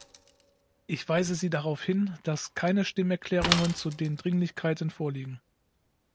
Ich weise Sie darauf hin, dass keine Stimmerklärungen zu den Dringlichkeiten vorliegen.